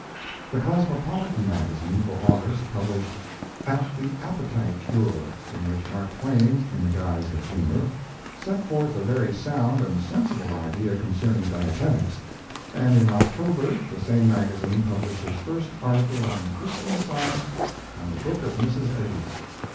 The Cosmopolitan Magazine for August published "At the Appetite Cure," in which Mark Twain, in the guise of humor, set forth a very sound and sensible idea concerning dietetics, and in October the same magazine published his first article on "Christian Science and the Book of Mrs. Eddy."